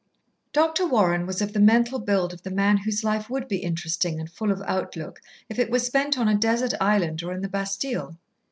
Dr. Warren was of the mental build of the man whose life would be interesting and full of outlook if it were spent on a desert island or in the Bastille.